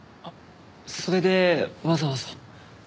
それでわざわざ？